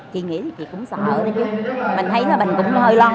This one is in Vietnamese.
tôi thấy mình cũng hơi lo